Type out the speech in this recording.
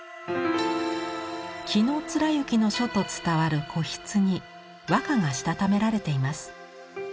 紀貫之の書と伝わる古筆に和歌がしたためられています。